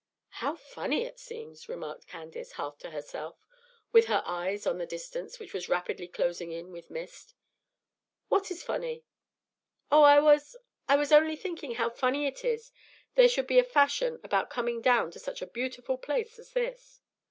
"How funny it seems!" remarked Candace, half to herself, with her eyes on the distance, which was rapidly closing in with mist. "What is funny?" "Oh, I was I was only thinking how funny it is that there should be a fashion about coming down to such a beautiful place as this."